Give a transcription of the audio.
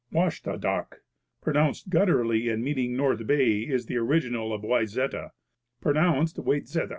"Washta Doc" pronounced gutturally and meaning North Bay is the original of Wayzata, pronounced, Waytzete.